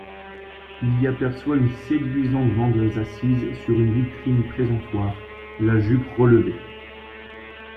Il y aperçoit une séduisante vendeuse assise sur une vitrine-présentoir, la jupe relevée.